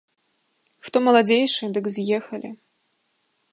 Хто маладзейшы, дык з'ехалі.